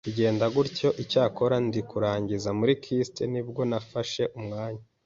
bigenda gutyo, icyakora ndi kurangiza muri KIST nibwo nafashe umwanya